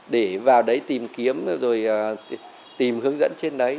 để vào đấy tìm kiếm rồi tìm hướng dẫn trên đấy